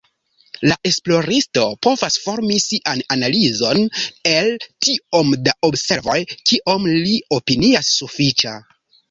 La esploristo povas formi sian analizon el tiom da observoj, kiom li opinias sufiĉa.